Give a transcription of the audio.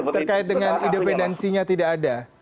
terkait dengan independensinya tidak ada